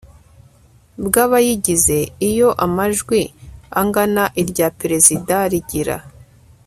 bw abayigize iyo amajwi angana irya perezida rigira